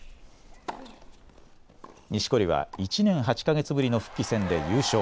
錦織は１年８か月ぶりの復帰戦で優勝。